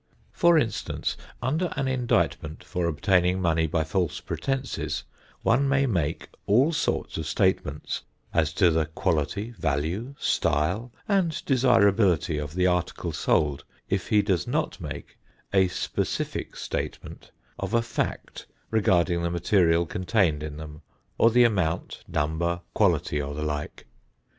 For instance, under an indictment for obtaining money by false pretenses, one may make all sorts of statements as to the quality, value, style and desirability of the article sold, if he does not make a specific statement of a fact regarding the material contained in them or the amount, number, quality or the like.